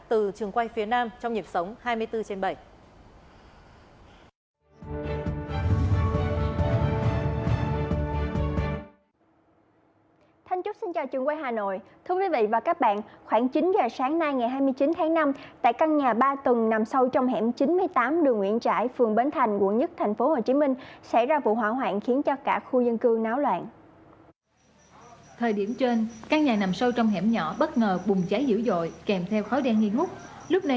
trong dịp sống hai mươi bốn trên bảy